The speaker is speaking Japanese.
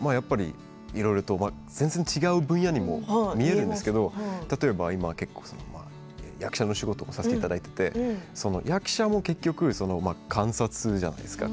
全然、違う分野にも見えるんですけれども今、役者の仕事もさせていただいて役者も結局、観察するじゃないですか。